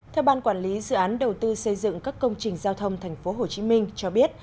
theo ban quản lý dự án đầu tư xây dựng các công trình giao thông thành phố hồ chí minh cho biết